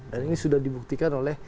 dan ini sudah dibuktikan oleh